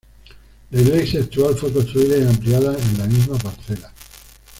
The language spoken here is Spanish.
La iglesia actual fue construida y ampliado en la misma parcela.